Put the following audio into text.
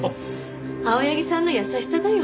青柳さんの優しさだよ。